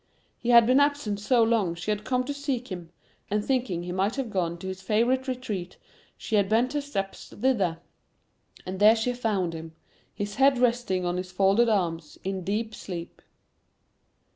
He had been absent so long she had come to seek him, and thinking he might have gone to his favorite retreat, she had bent her steps thither, and there she[Pg 14] found him, his head resting on his folded arms, in deep sleep.